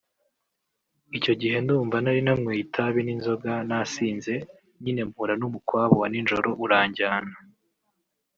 icyo gihe ndumva nari nanyweye itabi n’inzoga nasinze nyine mpura n’umukwabo wa nijoro uranjyana